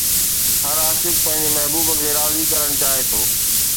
هر عاشق پنهنجي محبوب کي راضي ڪرڻ چاهي ٿو.